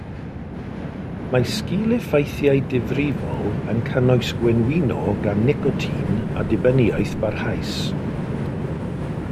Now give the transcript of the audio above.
Mae sgil-effeithiau difrifol yn cynnwys gwenwyno gan nicotin a dibyniaeth barhaus.